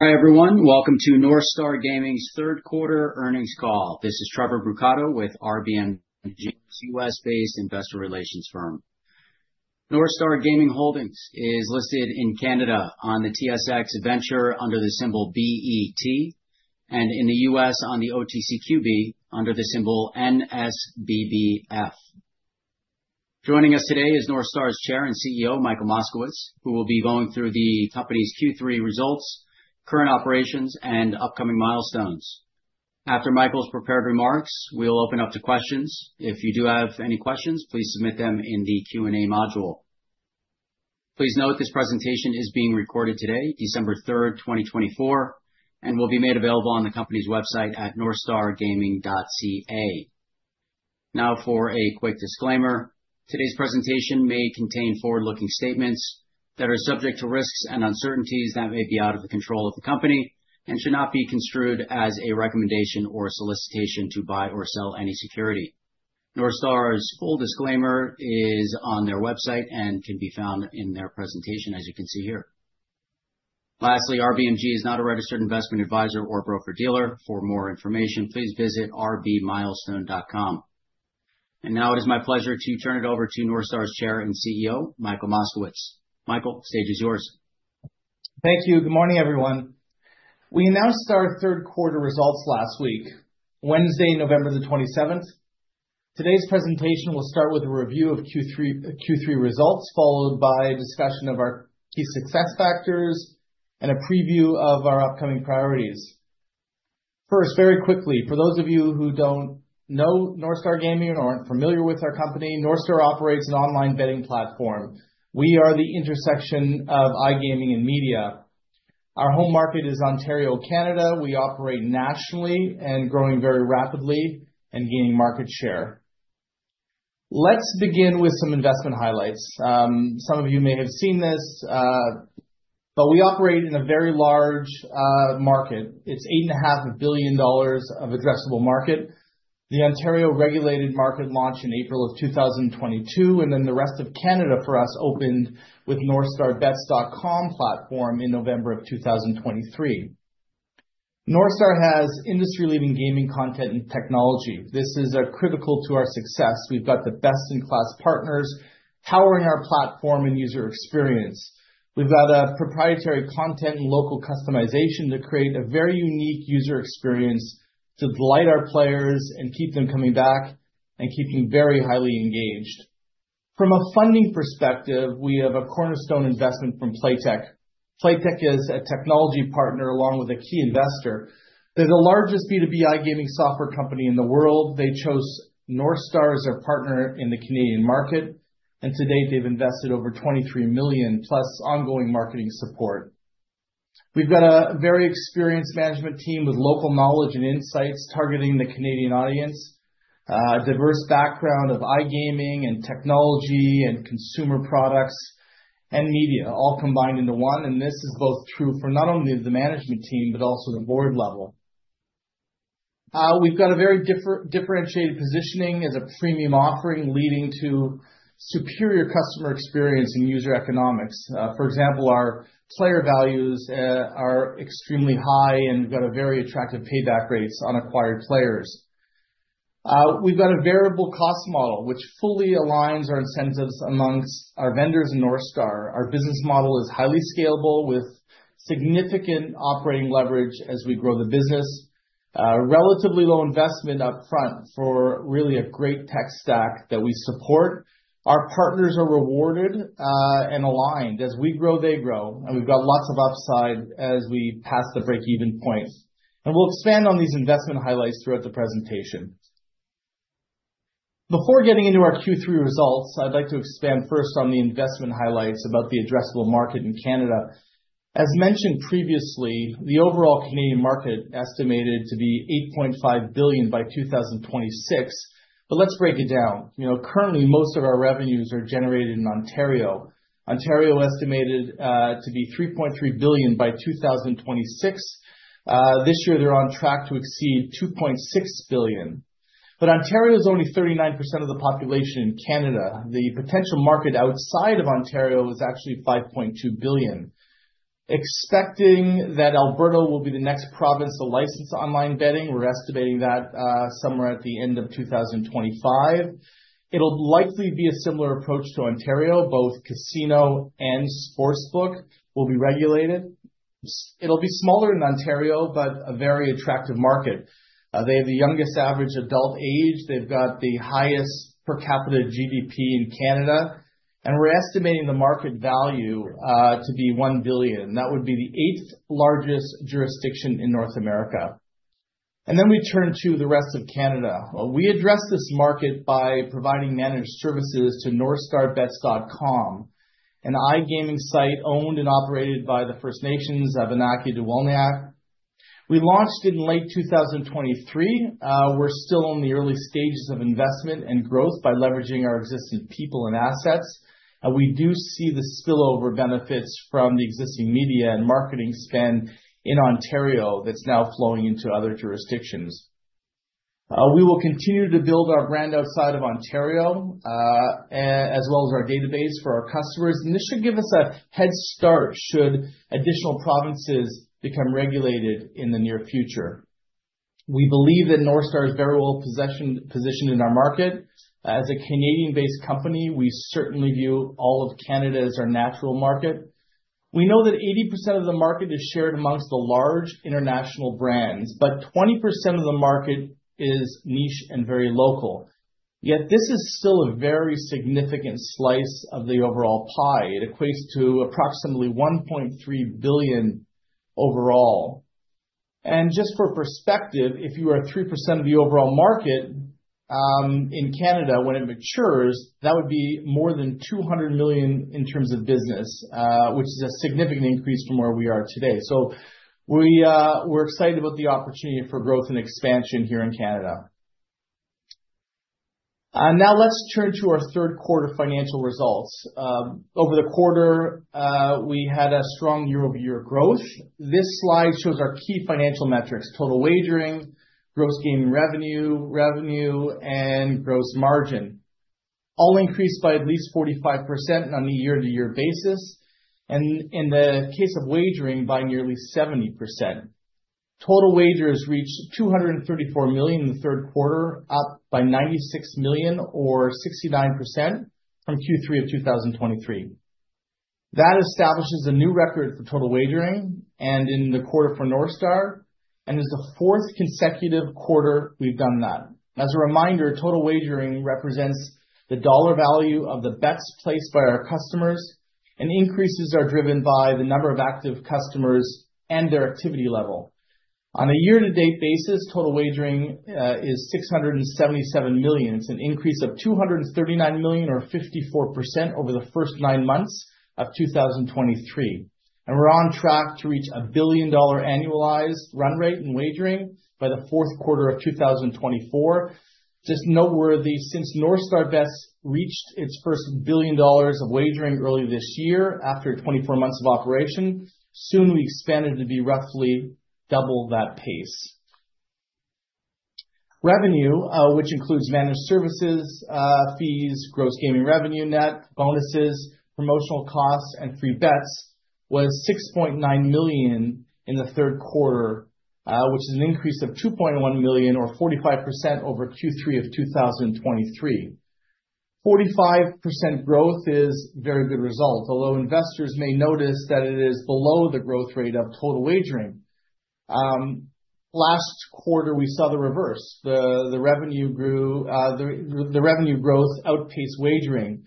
Hi everyone, welcome to NorthStar Gaming's third quarter earnings call. This is Trevor Brucato with RBMG, a U.S.-based investor relations firm. NorthStar Gaming Holdings is listed in Canada on the TSX Venture Exchange under the symbol BET, and in the U.S. on the OTCQB under the symbol NSBBF. Joining us today is NorthStar's Chair and CEO, Michael Moskowitz, who will be going through the company's Q3 results, current operations, and upcoming milestones. After Michael's prepared remarks, we'll open up to questions. If you do have any questions, please submit them in the Q&A module. Please note this presentation is being recorded today, December 3rd, 2024, and will be made available on the company's website at northstargaming.ca. Now, for a quick disclaimer, today's presentation may contain forward-looking statements that are subject to risks and uncertainties that may be out of the control of the company and should not be construed as a recommendation or solicitation to buy or sell any security. NorthStar's full disclaimer is on their website and can be found in their presentation, as you can see here. Lastly, RBMG is not a registered investment advisor or broker-dealer. For more information, please visit rbmilestone.com. And now it is my pleasure to turn it over to NorthStar's Chair and CEO, Michael Moskowitz. Michael, the stage is yours. Thank you. Good morning, everyone. We announced our third quarter results last week, Wednesday, November the 27th. Today's presentation will start with a review of Q3 results, followed by a discussion of our key success factors and a preview of our upcoming priorities. First, very quickly, for those of you who don't know NorthStar Gaming or aren't familiar with our company, NorthStar operates an online betting platform. We are the intersection of iGaming and media. Our home market is Ontario, Canada. We operate nationally and are growing very rapidly and gaining market share. Let's begin with some investment highlights. Some of you may have seen this, but we operate in a very large market. It's 8.5 billion dollars of addressable market. The Ontario-regulated market launched in April of 2022, and then the rest of Canada for us opened with NorthStarBets.com platform in November of 2023. NorthStar has industry-leading gaming content and technology. This is critical to our success. We've got the best-in-class partners powering our platform and user experience. We've got proprietary content and local customization to create a very unique user experience to delight our players and keep them coming back and keeping very highly engaged. From a funding perspective, we have a cornerstone investment from Playtech. Playtech is a technology partner along with a key investor. They're the largest B2B iGaming software company in the world. They chose NorthStar as their partner in the Canadian market, and to date, they've invested over 23 million, plus ongoing marketing support. We've got a very experienced management team with local knowledge and insights targeting the Canadian audience, a diverse background of iGaming and technology and consumer products and media all combined into one. This is both true for not only the management team, but also the board level. We've got a very differentiated positioning as a premium offering leading to superior customer experience and user economics. For example, our player values are extremely high, and we've got very attractive payback rates on acquired players. We've got a variable cost model, which fully aligns our incentives amongst our vendors and NorthStar. Our business model is highly scalable with significant operating leverage as we grow the business, relatively low investment upfront for really a great tech stack that we support. Our partners are rewarded and aligned. As we grow, they grow, and we've got lots of upside as we pass the break-even point. We'll expand on these investment highlights throughout the presentation. Before getting into our Q3 results, I'd like to expand first on the investment highlights about the addressable market in Canada. As mentioned previously, the overall Canadian market is estimated to be 8.5 billion by 2026, but let's break it down. Currently, most of our revenues are generated in Ontario. Ontario is estimated to be 3.3 billion by 2026. This year, they're on track to exceed 2.6 billion. But Ontario is only 39% of the population in Canada. The potential market outside of Ontario is actually 5.2 billion. Expecting that Alberta will be the next province to license online betting, we're estimating that somewhere at the end of 2025. It'll likely be a similar approach to Ontario. Both casino and sportsbook will be regulated. It'll be smaller in Ontario, but a very attractive market. They have the youngest average adult age. They've got the highest per capita GDP in Canada, and we're estimating the market value to be 1 billion. That would be the eighth largest jurisdiction in North America. And then we turn to the rest of Canada. We address this market by providing managed services to NorthStarBets.com, an iGaming site owned and operated by the Abenaki Council of Wolinak. We launched in late 2023. We're still in the early stages of investment and growth by leveraging our existing people and assets. We do see the spillover benefits from the existing media and marketing spend in Ontario that's now flowing into other jurisdictions. We will continue to build our brand outside of Ontario, as well as our database for our customers. And this should give us a head start should additional provinces become regulated in the near future. We believe that NorthStar is very well positioned in our market. As a Canadian-based company, we certainly view all of Canada as our natural market. We know that 80% of the market is shared amongst the large international brands, but 20% of the market is niche and very local. Yet this is still a very significant slice of the overall pie. It equates to approximately 1.3 billion overall. And just for perspective, if you are 3% of the overall market in Canada when it matures, that would be more than 200 million in terms of business, which is a significant increase from where we are today. So we're excited about the opportunity for growth and expansion here in Canada. Now let's turn to our third quarter financial results. Over the quarter, we had a strong year-over-year growth. This slide shows our key financial metrics: total wagering, gross gaming revenue, revenue, and gross margin. All increased by at least 45% on a year-to-year basis, and in the case of wagering, by nearly 70%. Total wagers reached 234 million in the third quarter, up by 96 million, or 69%, from Q3 of 2023. That establishes a new record for total wagering in the quarter for NorthStar, and it's the fourth consecutive quarter we've done that. As a reminder, total wagering represents the dollar value of the bets placed by our customers and increases are driven by the number of active customers and their activity level. On a year-to-date basis, total wagering is 677 million. It's an increase of 239 million, or 54%, over the first nine months of 2023, and we're on track to reach a billion-dollar annualized run rate in wagering by the fourth quarter of 2024. Just noteworthy, since NorthStar Bets reached its first billion dollars of wagering early this year after 24 months of operation, soon we expanded to be roughly double that pace. Revenue, which includes managed services, fees, gross gaming revenue net, bonuses, promotional costs, and free bets, was 6.9 million in the third quarter, which is an increase of 2.1 million, or 45%, over Q3 of 2023. 45% growth is a very good result, although investors may notice that it is below the growth rate of total wagering. Last quarter, we saw the reverse. The revenue grew. The revenue growth outpaced wagering,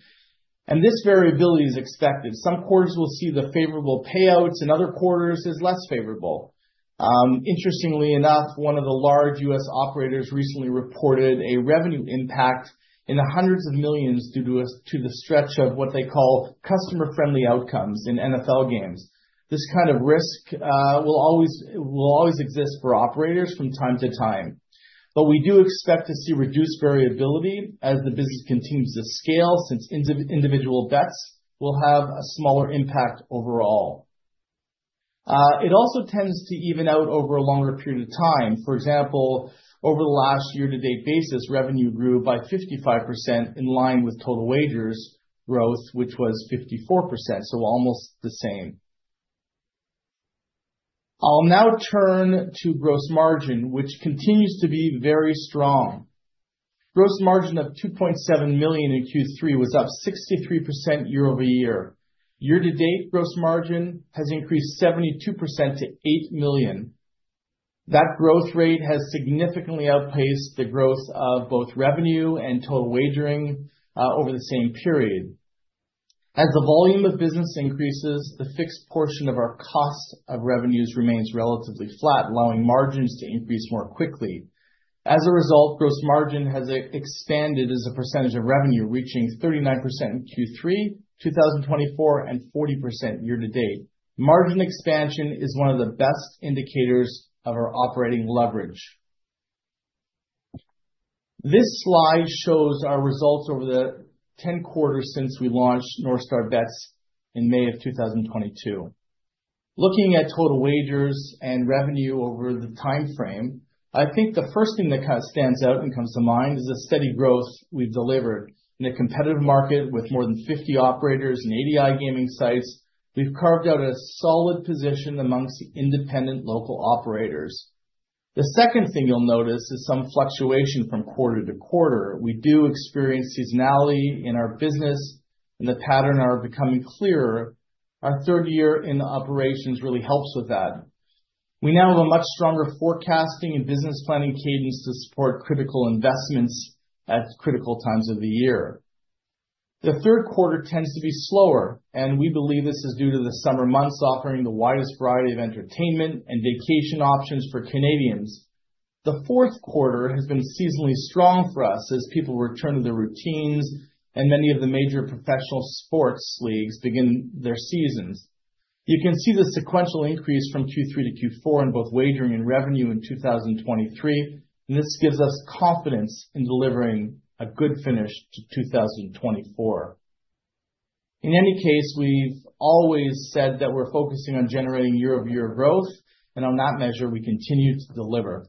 and this variability is expected. Some quarters will see the favorable payouts, and other quarters are less favorable. Interestingly enough, one of the large U.S. operators recently reported a revenue impact in the hundreds of millions due to the stretch of what they call customer-friendly outcomes in NFL games. This kind of risk will always exist for operators from time to time. But we do expect to see reduced variability as the business continues to scale since individual bets will have a smaller impact overall. It also tends to even out over a longer period of time. For example, over the last year-to-date basis, revenue grew by 55% in line with total wagers growth, which was 54%, so almost the same. I'll now turn to gross margin, which continues to be very strong. Gross margin of 2.7 million in Q3 was up 63% year-over-year. Year-to-date, gross margin has increased 72% to 8 million. That growth rate has significantly outpaced the growth of both revenue and total wagering over the same period. As the volume of business increases, the fixed portion of our cost of revenues remains relatively flat, allowing margins to increase more quickly. As a result, gross margin has expanded as a percentage of revenue, reaching 39% in Q3 2024 and 40% year-to-date. Margin expansion is one of the best indicators of our operating leverage. This slide shows our results over the 10 quarters since we launched NorthStar Bets in May of 2022. Looking at total wagers and revenue over the timeframe, I think the first thing that kind of stands out and comes to mind is the steady growth we've delivered. In a competitive market with more than 50 operators and 80 iGaming sites, we've carved out a solid position among independent local operators. The second thing you'll notice is some fluctuation from quarter to quarter. We do experience seasonality in our business, and the patterns are becoming clearer. Our third year in operations really helps with that. We now have a much stronger forecasting and business planning cadence to support critical investments at critical times of the year. The third quarter tends to be slower, and we believe this is due to the summer months offering the widest variety of entertainment and vacation options for Canadians. The fourth quarter has been seasonally strong for us as people return to their routines and many of the major professional sports leagues begin their seasons. You can see the sequential increase from Q3 to Q4 in both wagering and revenue in 2023, and this gives us confidence in delivering a good finish to 2024. In any case, we've always said that we're focusing on generating year-over-year growth, and on that measure, we continue to deliver.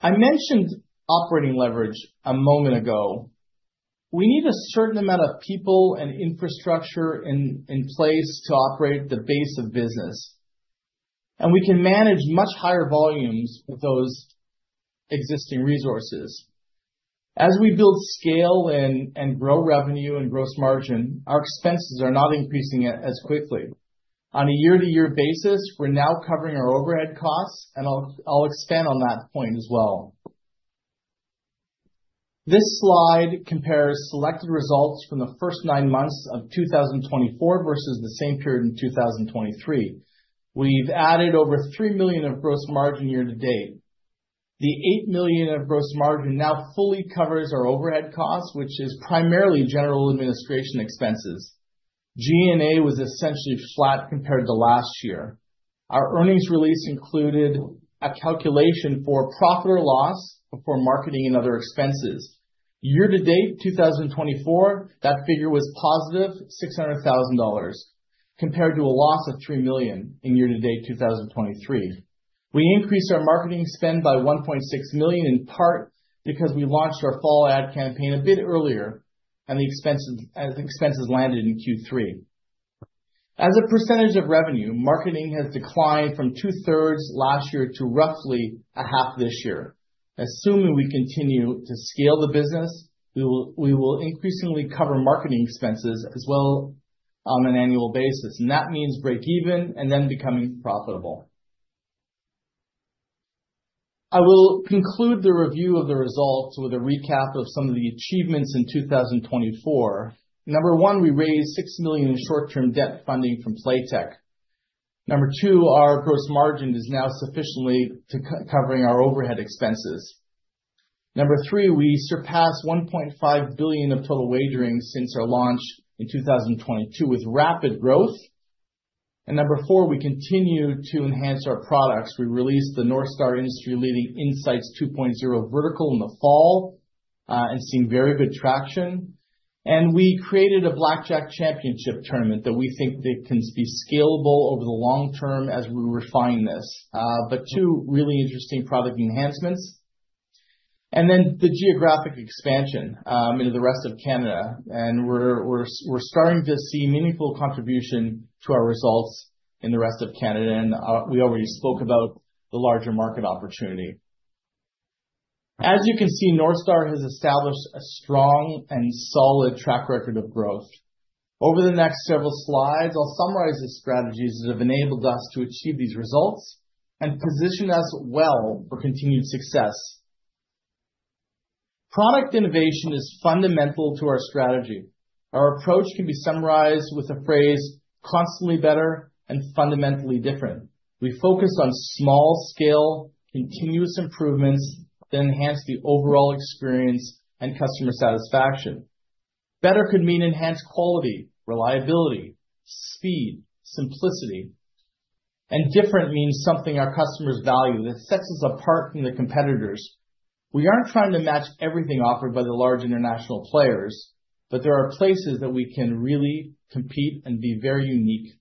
I mentioned operating leverage a moment ago. We need a certain amount of people and infrastructure in place to operate the base of business, and we can manage much higher volumes with those existing resources. As we build scale and grow revenue and gross margin, our expenses are not increasing as quickly. On a year-to-year basis, we're now covering our overhead costs, and I'll expand on that point as well. This slide compares selected results from the first nine months of 2024 versus the same period in 2023. We've added over 3 million of gross margin year-to-date. The 8 million of gross margin now fully covers our overhead costs, which is primarily general administration expenses. G&A was essentially flat compared to last year. Our earnings release included a calculation for profit or loss before marketing and other expenses. Year-to-date 2024, that figure was positive 600,000 dollars, compared to a loss of 3 million in year-to-date 2023. We increased our marketing spend by 1.6 million in part because we launched our fall ad campaign a bit earlier, and the expenses landed in Q3. As a percentage of revenue, marketing has declined from two-thirds last year to roughly a half this year. Assuming we continue to scale the business, we will increasingly cover marketing expenses as well on an annual basis, and that means break-even and then becoming profitable. I will conclude the review of the results with a recap of some of the achievements in 2024. Number one, we raised 6 million in short-term debt funding from Playtech. Number two, our gross margin is now sufficiently covering our overhead expenses. Number three, we surpassed 1.5 billion of total wagering since our launch in 2022 with rapid growth. And number four, we continue to enhance our products. We released NorthStar's industry-leading Sports Insights 2.0 vertical in the fall and we're seeing very good traction. And we created a Blackjack Championship tournament that we think can be scalable over the long term as we refine this. But, too, really interesting product enhancements. And then the geographic expansion into the rest of Canada. And we're starting to see meaningful contribution to our results in the rest of Canada, and we already spoke about the larger market opportunity. As you can see, NorthStar has established a strong and solid track record of growth. Over the next several slides, I'll summarize the strategies that have enabled us to achieve these results and position us well for continued success. Product innovation is fundamental to our strategy. Our approach can be summarized with a phrase, "Constantly better and fundamentally different." We focus on small-scale, continuous improvements that enhance the overall experience and customer satisfaction. Better could mean enhanced quality, reliability, speed, simplicity, and different means something our customers value that sets us apart from the competitors. We aren't trying to match everything offered by the large international players, but there are places that we can really compete and be very unique.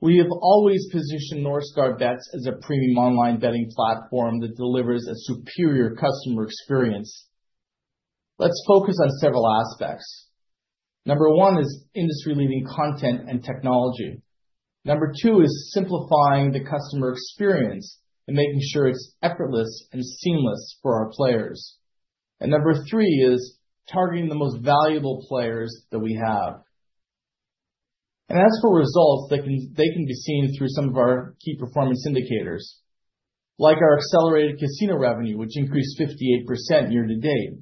We have always positioned NorthStar Bets as a premium online betting platform that delivers a superior customer experience. Let's focus on several aspects. Number one is industry-leading content and technology. Number two is simplifying the customer experience and making sure it's effortless and seamless for our players, and number three is targeting the most valuable players that we have. As for results, they can be seen through some of our key performance indicators, like our accelerated casino revenue, which increased 58% year-to-date,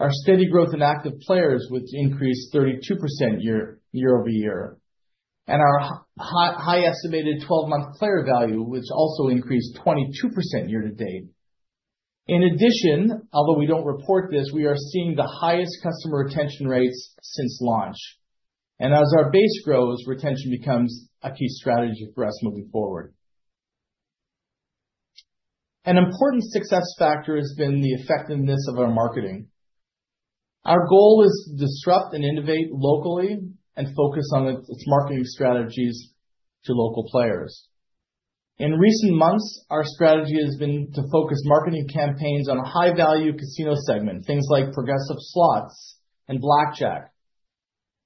our steady growth in active players, which increased 32% year-over-year, and our highly estimated 12-month player value, which also increased 22% year-to-date. In addition, although we don't report this, we are seeing the highest customer retention rates since launch. As our base grows, retention becomes a key strategy for us moving forward. An important success factor has been the effectiveness of our marketing. Our goal is to disrupt and innovate locally and focus on its marketing strategies to local players. In recent months, our strategy has been to focus marketing campaigns on a high-value casino segment, things like progressive slots and Blackjack.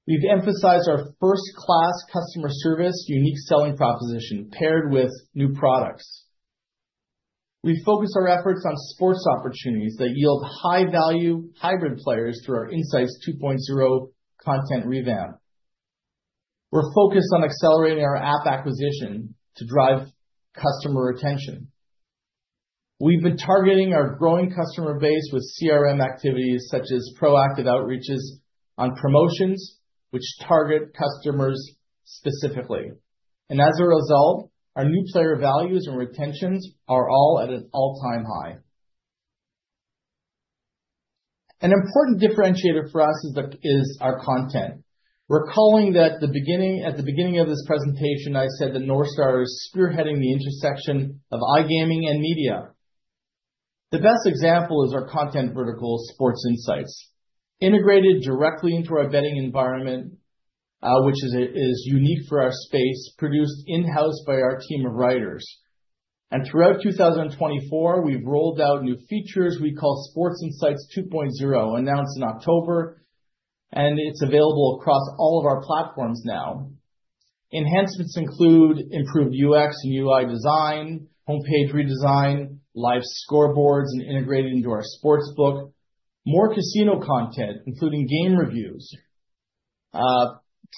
We've emphasized our first-class customer service, unique selling proposition paired with new products. We focus our efforts on sports opportunities that yield high-value hybrid players through our Sports Insights 2.0 content revamp. We're focused on accelerating our app acquisition to drive customer retention. We've been targeting our growing customer base with CRM activities such as proactive outreaches on promotions, which target customers specifically. And as a result, our new player values and retentions are all at an all-time high. An important differentiator for us is our content. Recalling that at the beginning of this presentation, I said that NorthStar is spearheading the intersection of iGaming and media. The best example is our content vertical, Sports Insights, integrated directly into our betting environment, which is unique for our space, produced in-house by our team of writers. And throughout 2024, we've rolled out new features we call Sports Insights 2.0, announced in October, and it's available across all of our platforms now. Enhancements include improved UX and UI design, homepage redesign, live scoreboards and integrated into our sportsbook, more casino content, including game reviews,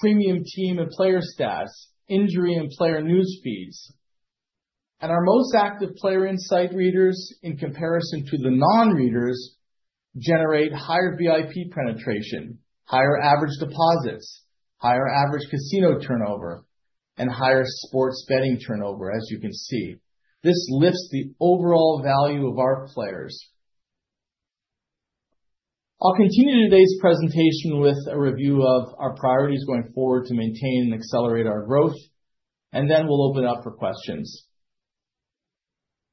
premium team and player stats, injury and player news feeds. And our most active player insight readers, in comparison to the non-readers, generate higher VIP penetration, higher average deposits, higher average casino turnover, and higher sports betting turnover, as you can see. This lifts the overall value of our players. I'll continue today's presentation with a review of our priorities going forward to maintain and accelerate our growth, and then we'll open up for questions.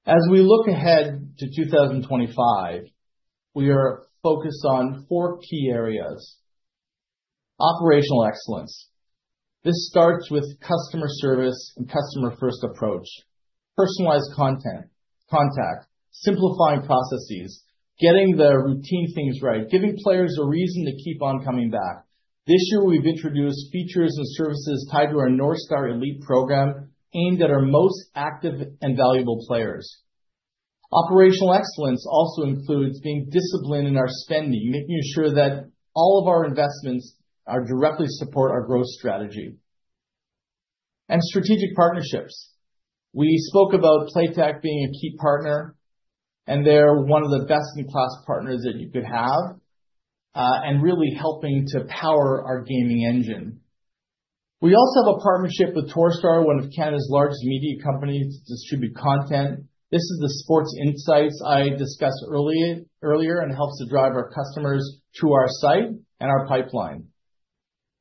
As we look ahead to 2025, we are focused on four key areas: operational excellence. This starts with customer service and customer-first approach, personalized content, contact, simplifying processes, getting the routine things right, giving players a reason to keep on coming back. This year, we've introduced features and services tied to our NorthStar Elite program aimed at our most active and valuable players. Operational excellence also includes being disciplined in our spending, making sure that all of our investments directly support our growth strategy and strategic partnerships. We spoke about Playtech being a key partner, and they're one of the best-in-class partners that you could have, and really helping to power our gaming engine. We also have a partnership with Torstar, one of Canada's largest media companies, to distribute content. This is the Sports Insights I discussed earlier and helps to drive our customers to our site and our pipeline,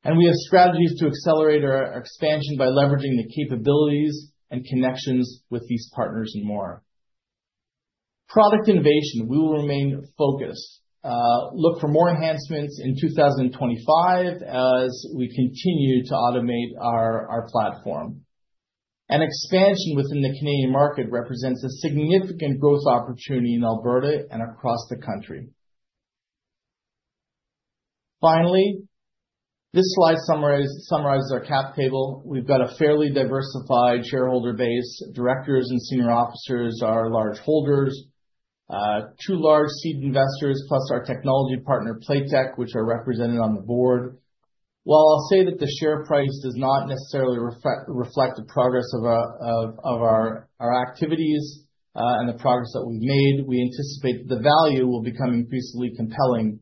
and we have strategies to accelerate our expansion by leveraging the capabilities and connections with these partners and more. Product innovation, we will remain focused. Look for more enhancements in 2025 as we continue to automate our platform. Expansion within the Canadian market represents a significant growth opportunity in Alberta and across the country. Finally, this slide summarizes our cap table. We've got a fairly diversified shareholder base. Directors and senior officers are large holders, two large seed investors, plus our technology partner, Playtech, which are represented on the board. While I'll say that the share price does not necessarily reflect the progress of our activities and the progress that we've made, we anticipate the value will become increasingly compelling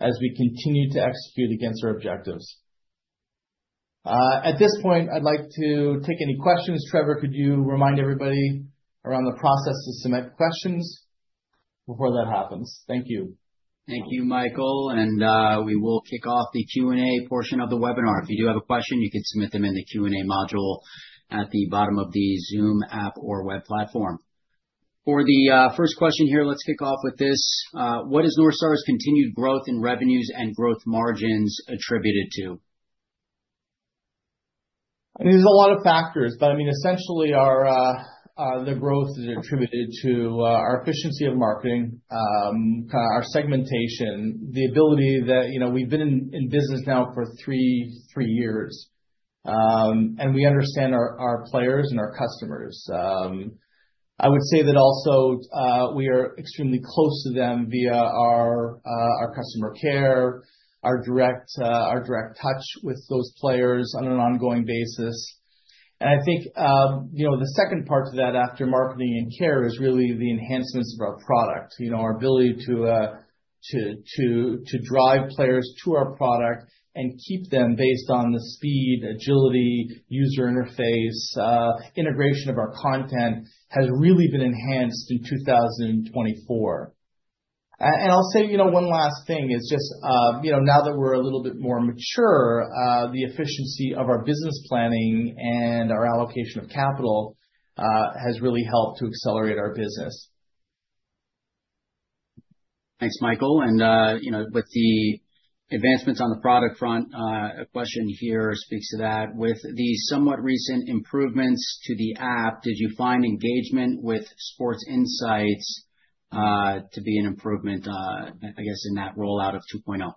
as we continue to execute against our objectives. At this point, I'd like to take any questions. Trevor, could you remind everybody around the process to submit questions before that happens? Thank you. Thank you, Michael. We will kick off the Q&A portion of the webinar. If you do have a question, you can submit them in the Q&A module at the bottom of the Zoom app or web platform. For the first question here, let's kick off with this: What is NorthStar's continued growth in revenues and growth margins attributed to? There's a lot of factors, but I mean, essentially, the growth is attributed to our efficiency of marketing, our segmentation, the ability that we've been in business now for three years, and we understand our players and our customers. I would say that also we are extremely close to them via our customer care, our direct touch with those players on an ongoing basis. And I think the second part to that, after marketing and care, is really the enhancements of our product, our ability to drive players to our product and keep them based on the speed, agility, user interface, integration of our content has really been enhanced in 2024. And I'll say one last thing is just now that we're a little bit more mature, the efficiency of our business planning and our allocation of capital has really helped to accelerate our business. Thanks, Michael. And with the advancements on the product front, a question here speaks to that. With the somewhat recent improvements to the app, did you find engagement with Sports Insights to be an improvement, I guess, in that rollout of 2.0?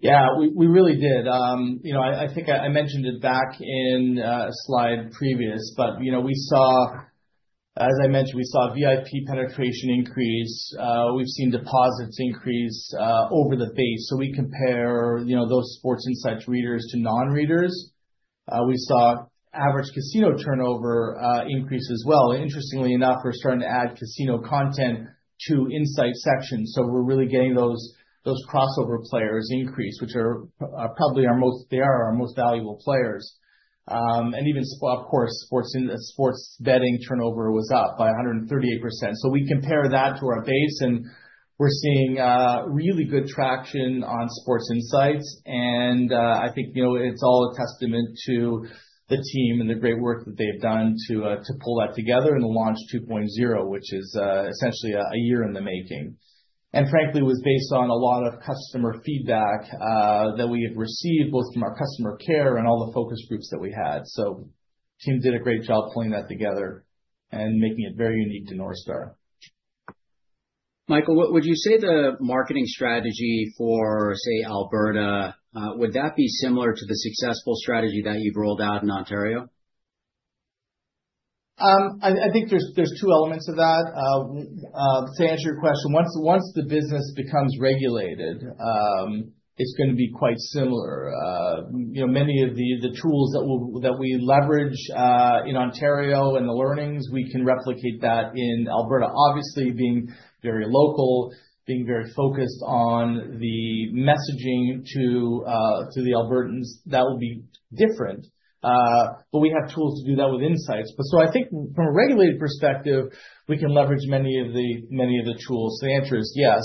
Yeah, we really did. I think I mentioned it back in a slide previous, but as I mentioned, we saw VIP penetration increase. We've seen deposits increase over the base. So we compare those Sports Insights readers to non-readers. We saw average casino turnover increase as well. Interestingly enough, we're starting to add casino content to insight sections. So we're really getting those crossover players increase, which are probably our most valuable players. And even, of course, sports betting turnover was up by 138%. So we compare that to our base, and we're seeing really good traction on Sports Insights. And I think it's all a testament to the team and the great work that they've done to pull that together and launch 2.0, which is essentially a year in the making. And frankly, it was based on a lot of customer feedback that we had received both from our customer care and all the focus groups that we had. The team did a great job pulling that together and making it very unique to NorthStar. Michael, would you say the marketing strategy for, say, Alberta, would that be similar to the successful strategy that you've rolled out in Ontario? I think there's two elements of that. To answer your question, once the business becomes regulated, it's going to be quite similar. Many of the tools that we leverage in Ontario and the learnings, we can replicate that in Alberta. Obviously, being very local, being very focused on the messaging to the Albertans, that will be different. But we have tools to do that with Insights. But so I think from a regulated perspective, we can leverage many of the tools. The answer is yes.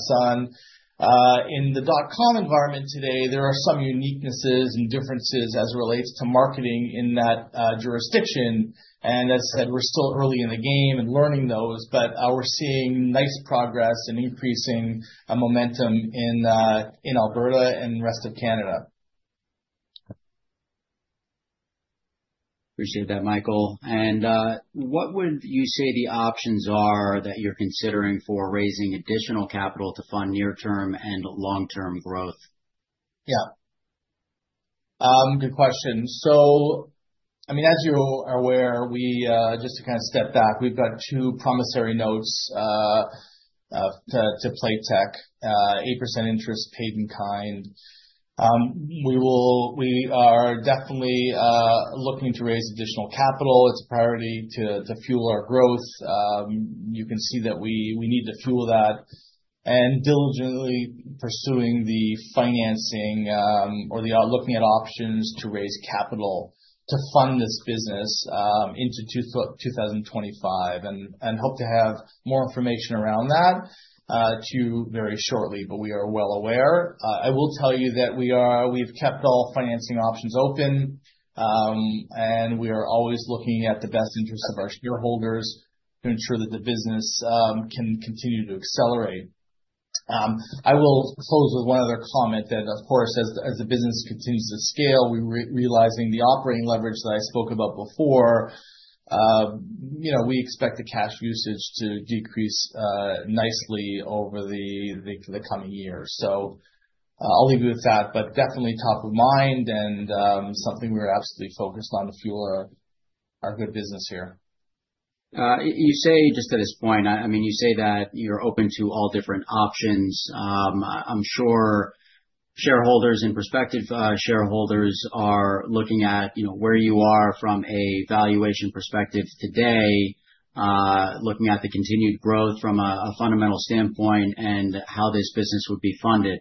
In the dot-com environment today, there are some uniquenesses and differences as it relates to marketing in that jurisdiction. And as I said, we're still early in the game and learning those, but we're seeing nice progress and increasing momentum in Alberta and the rest of Canada. Appreciate that, Michael. And what would you say the options are that you're considering for raising additional capital to fund near-term and long-term growth? Yeah. Good question. So I mean, as you are aware, just to kind of step back, we've got two promissory notes to Playtech, 8% interest, paid in kind. We are definitely looking to raise additional capital. It's a priority to fuel our growth. You can see that we need to fuel that and diligently pursuing the financing or looking at options to raise capital to fund this business into 2025. And hope to have more information around that very shortly, but we are well aware. I will tell you that we've kept all financing options open, and we are always looking at the best interests of our shareholders to ensure that the business can continue to accelerate. I will close with one other comment that, of course, as the business continues to scale, we're realizing the operating leverage that I spoke about before. We expect the cash usage to decrease nicely over the coming years. So I'll leave you with that, but definitely top of mind and something we're absolutely focused on to fuel our good business here. You say just at this point, I mean, you say that you're open to all different options. I'm sure shareholders and prospective shareholders are looking at where you are from a valuation perspective today, looking at the continued growth from a fundamental standpoint and how this business would be funded.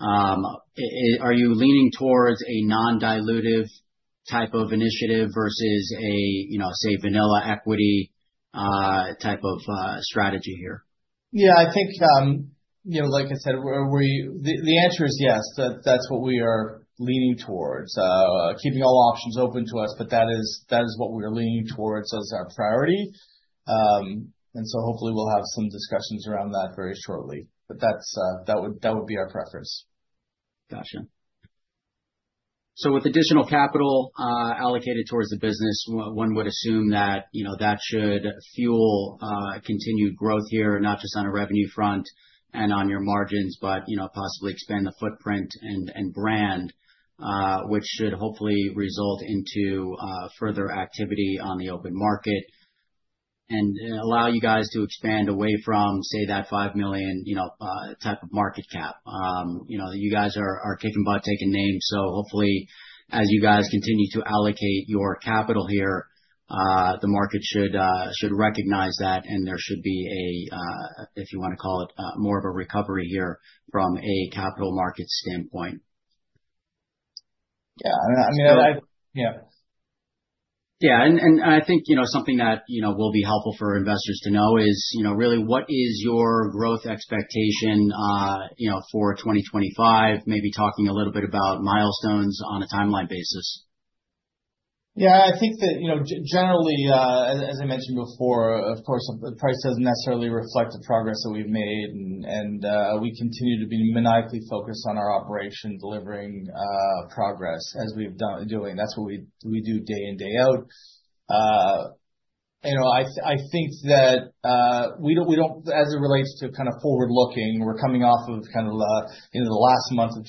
Are you leaning towards a non-dilutive type of initiative versus a, say, vanilla equity type of strategy here? Yeah, I think, like I said, the answer is yes. That's what we are leaning towards, keeping all options open to us, but that is what we are leaning towards as our priority. And so hopefully, we'll have some discussions around that very shortly. But that would be our preference. Gotcha. So with additional capital allocated towards the business, one would assume that that should fuel continued growth here, not just on a revenue front and on your margins, but possibly expand the footprint and brand, which should hopefully result into further activity on the open market and allow you guys to expand away from, say, that 5 million type of market cap. You guys are kicking butt taking names. So hopefully, as you guys continue to allocate your capital here, the market should recognize that, and there should be, if you want to call it, more of a recovery here from a capital market standpoint. Yeah. I mean, yeah. Yeah. And I think something that will be helpful for investors to know is really what is your growth expectation for 2025, maybe talking a little bit about milestones on a timeline basis. Yeah. I think that generally, as I mentioned before, of course, the price doesn't necessarily reflect the progress that we've made. And we continue to be maniacally focused on our operation, delivering progress as we've been doing. That's what we do day in, day out. I think that as it relates to kind of forward-looking, we're coming off of kind of the last month of 2024.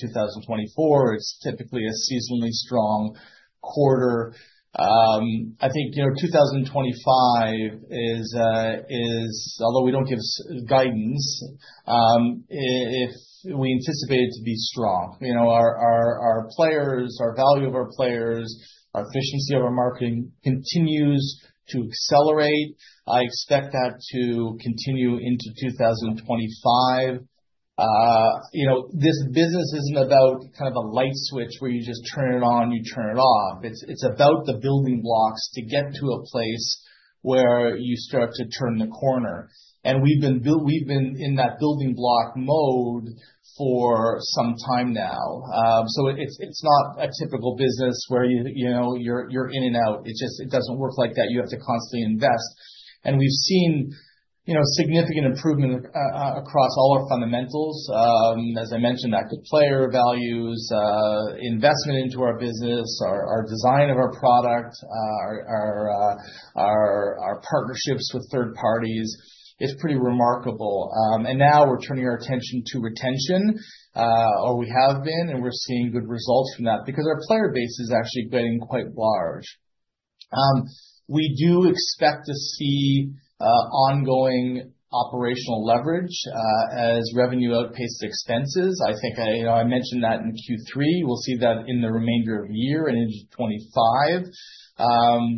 It's typically a seasonally strong quarter. I think 2025 is, although we don't give guidance, we anticipate it to be strong. Our players, our value of our players, our efficiency of our marketing continues to accelerate. I expect that to continue into 2025. This business isn't about kind of a light switch where you just turn it on, you turn it off. It's about the building blocks to get to a place where you start to turn the corner. And we've been in that building block mode for some time now. So it's not a typical business where you're in and out. It doesn't work like that. You have to constantly invest. And we've seen significant improvement across all our fundamentals. As I mentioned, our player values, investment into our business, our design of our product, our partnerships with third parties. It's pretty remarkable. And now we're turning our attention to retention, or we have been, and we're seeing good results from that because our player base is actually getting quite large. We do expect to see ongoing operational leverage as revenue outpaces expenses. I think I mentioned that in Q3. We'll see that in the remainder of the year and into 2025.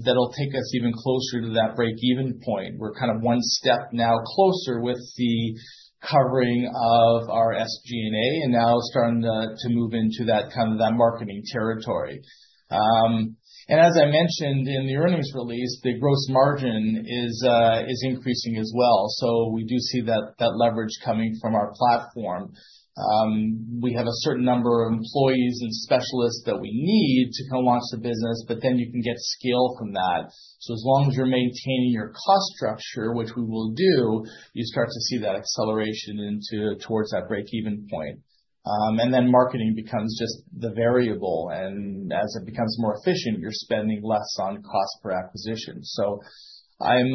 That'll take us even closer to that break-even point. We're kind of one step now closer with the covering of our SG&A and now starting to move into that kind of marketing territory. And as I mentioned in the earnings release, the gross margin is increasing as well. So we do see that leverage coming from our platform. We have a certain number of employees and specialists that we need to kind of launch the business, but then you can get scale from that. So as long as you're maintaining your cost structure, which we will do, you start to see that acceleration towards that break-even point. And then marketing becomes just the variable. And as it becomes more efficient, you're spending less on cost per acquisition. So I'm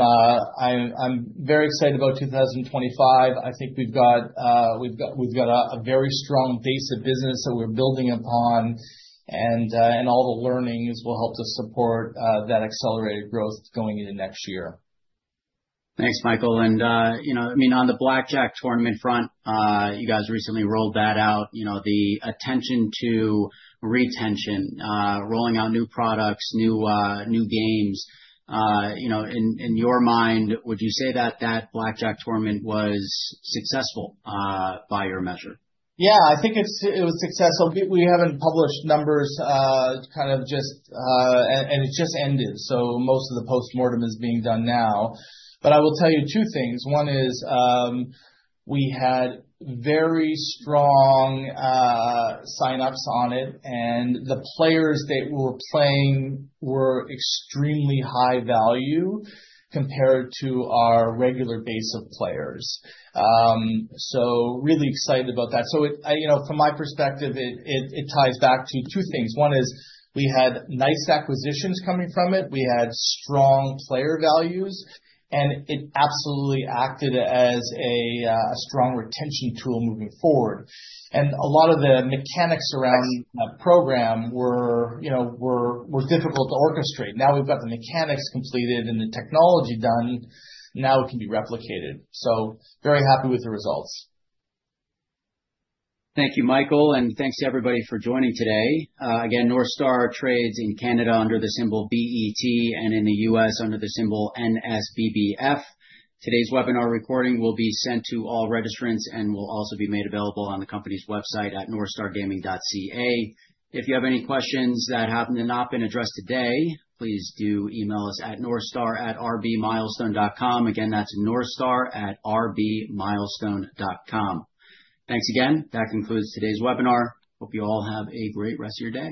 very excited about 2025. I think we've got a very strong base of business that we're building upon, and all the learnings will help to support that accelerated growth going into next year. Thanks, Michael. And I mean, on the blackjack tournament front, you guys recently rolled that out, the attention to retention, rolling out new products, new games. In your mind, would you say that that blackjack tournament was successful by your measure? Yeah, I think it was successful. We haven't published numbers kind of just, and it's just ended. So most of the postmortem is being done now. But I will tell you two things. One is we had very strong sign-ups on it, and the players that were playing were extremely high value compared to our regular base of players. So really excited about that. So from my perspective, it ties back to two things. One is we had nice acquisitions coming from it. We had strong player values, and it absolutely acted as a strong retention tool moving forward. And a lot of the mechanics around that program were difficult to orchestrate. Now we've got the mechanics completed and the technology done. Now it can be replicated. So very happy with the results. Thank you, Michael. And thanks to everybody for joining today. Again, NorthStar trades in Canada under the symbol BET and in the U.S. under the symbol NSBBF. Today's webinar recording will be sent to all registrants and will also be made available on the company's website at northstargaming.ca. If you have any questions that have not been addressed today, please do email us at northstar@rbmilestone.com. Again, that's northstar@rbmilestone.com. Thanks again. That concludes today's webinar. Hope you all have a great rest of your day.